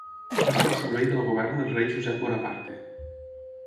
Va estar al servei del govern del rei Josep Bonaparte.